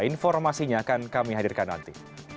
informasinya akan kami hadirkan nanti